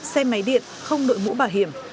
xe máy điện không nội mũ bảo hiểm